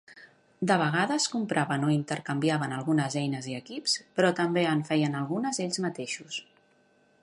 De vegades compraven o intercanviaven algunes eines i equips, però també en feien algunes ells mateixos.